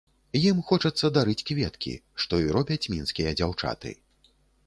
Ім хочацца дарыць кветкі, што і робяць мінскія дзяўчаты.